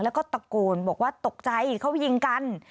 แล้วก็ตะโกนบอกว่าตกใจเขายิงกัน